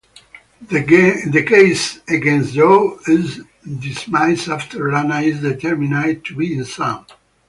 The case against Joe is dismissed after Lana is determined to be insane.